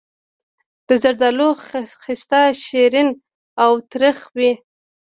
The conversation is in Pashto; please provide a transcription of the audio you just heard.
د زردالو خسته شیرین او تریخ وي.